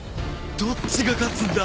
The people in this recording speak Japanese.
どっちが勝つんだ？